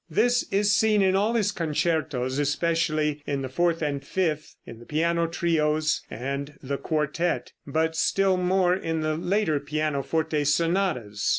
This is seen in all his concertos, especially in the fourth and fifth, in the piano trios, and the quartette; but still more in the later pianoforte sonatas.